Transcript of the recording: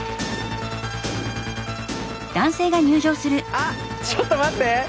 あっちょっと待って！